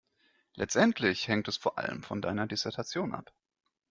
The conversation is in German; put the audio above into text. Letztendlich hängt es vor allem von deiner Dissertation ab.